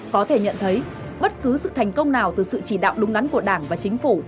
có thể nhận thấy bất cứ sự thành công nào từ sự chỉ đạo đúng đắn của đảng và chính phủ